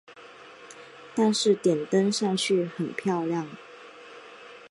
但是点灯上去很漂亮